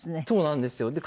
そうなんですよ。